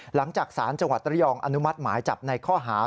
หลังจากสารจังหวัดระยองอนุมัติหมายจับในข้อหา